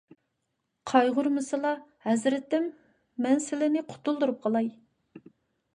قايغۇرمىسىلا، ھەزرىتىم، مەن سىلىنى قۇتۇلدۇرۇپ قالاي.